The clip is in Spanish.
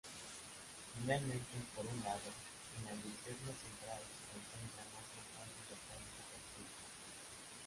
Finalmente, por un lado, en la linterna central se concentran otros tantos detalles decorativos.